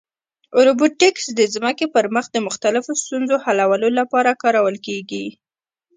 روبوټیکس د ځمکې پر مخ د مختلفو ستونزو حلولو لپاره کارول کېږي.